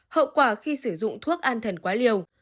hậu quả khi sử dụng thuốc an thần quá liều